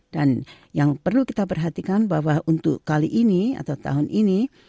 dan yang perlu kita perhatikan bahwa untuk kali ini atau tahun ini